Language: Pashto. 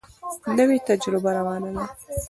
نوې تجربه روانه ده.